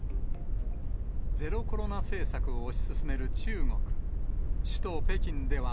ゼロコロナ政策を推し進める中国。